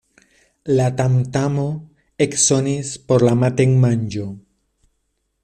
La tamtamo eksonis por la matenmanĝo.